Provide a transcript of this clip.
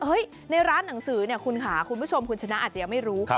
ในร้านหนังสือเนี่ยคุณค่ะคุณผู้ชมคุณชนะอาจจะยังไม่รู้